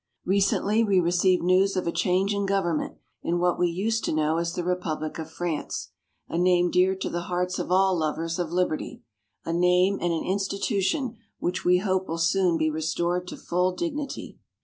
Recently we received news of a change in government in what we used to know as the Republic of France a name dear to the hearts of all lovers of liberty a name and an institution which we hope will soon be restored to full dignity.